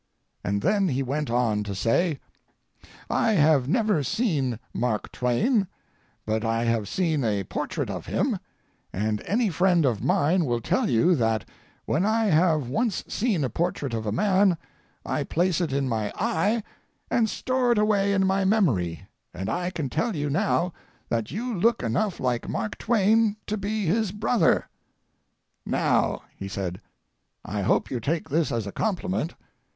And then he went on to say: "I have never seen Mark Twain, but I have seen a portrait of him, and any friend of mine will tell you that when I have once seen a portrait of a man I place it in my eye and store it away in my memory, and I can tell you now that you look enough like Mark Twain to be his brother. Now," he said, "I hope you take this as a compliment.